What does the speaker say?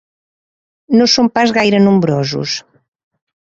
No són pas gaire nombrosos.